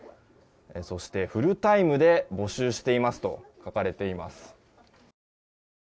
そして、フルタイムで募集していますと書かれています。